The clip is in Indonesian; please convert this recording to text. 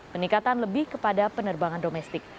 peningkatan lebih kepada penerbangan domestik